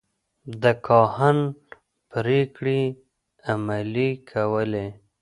د کاهن پرېکړې عملي کولې.